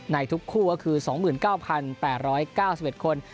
ในทุกคู่ก็คือ๒๙๘๙๑คน